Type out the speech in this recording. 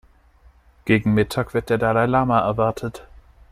Gegen Mittag wird der Dalai-Lama erwartet.